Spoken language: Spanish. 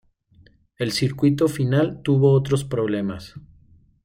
El circuito final tuvo otros problemas.